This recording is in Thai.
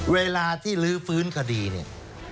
เวลาที่ลื้อฟื้นคดีเนี่ย